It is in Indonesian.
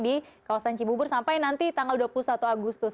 di kawasan cibubur sampai nanti tanggal dua puluh satu agustus